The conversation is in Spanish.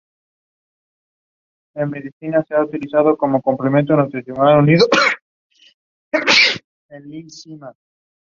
La superficie superior del mercurio se libera para entrar en contacto con el agua.